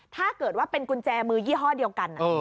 ถ้าเกิดว่าเป็นกุญแจมือยี่ห้อเดียวกัน